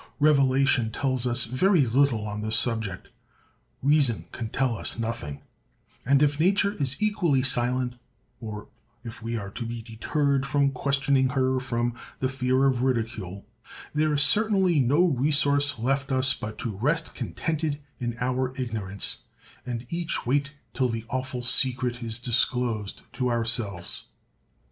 Revelation tells us very little on this subject—reason can tell us nothing; and if Nature is equally silent, or if we are to be deterred from questioning her from the fear of ridicule, there is certainly no resource left us but to rest contented in our ignorance, and each wait till the awful secret is disclosed to ourselves.